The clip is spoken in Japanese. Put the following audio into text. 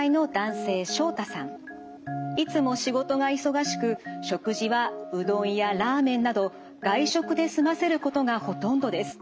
いつも仕事が忙しく食事はうどんやラーメンなど外食で済ませることがほとんどです。